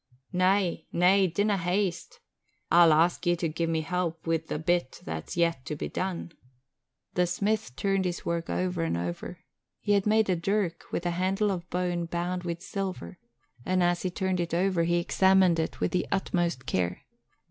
"Na, na! Dinna haste! I'll ask ye to gie me help wi' a bit that's yet to be done." The smith turned his work over and over. He had made a dirk with a handle of bone bound with silver, and, as he turned it, he examined it with utmost care.